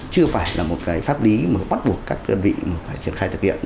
chưa phải là một pháp lý bắt buộc các đơn vị phải trang khai thực hiện